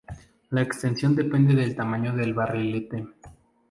La extensión depende del tamaño del barrilete.